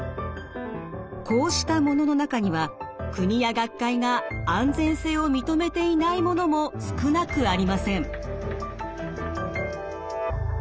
こうしたものの中には国や学会が安全性を認めていないものも少なくありません。